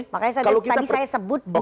makanya tadi saya sebut